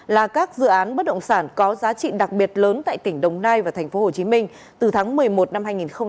là các dự án bất động sản có giá trị đặc biệt lớn tại tỉnh đồng nai và tp hcm từ tháng một mươi một năm hai nghìn một mươi tám